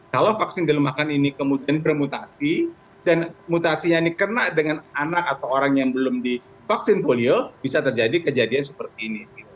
kalau vaksin dilemahkan ini kemudian bermutasi dan mutasinya ini kena dengan anak atau orang yang belum divaksin polio bisa terjadi kejadian seperti ini